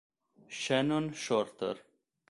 Shannon Shorter